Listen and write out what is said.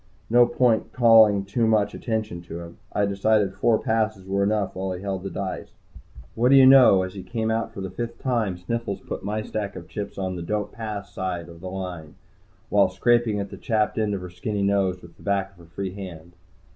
No point calling too much attention to him. I decided four passes were enough while he held the dice. What do you know, as he came out for the fifth time, Sniffles pulled my stack of chips to the "Don't Pass" side of the line, while scraping at the chapped end of her skinny nose with the back of her free hand.